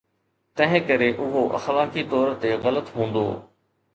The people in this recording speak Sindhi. تنهنڪري اهو اخلاقي طور تي غلط هوندو.